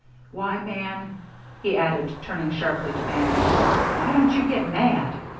Why, man," he added, turning sharply to Bannon, "why don't you get mad?